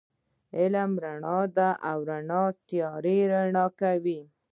علم رڼا ده، او رڼا تیار روښانه کوي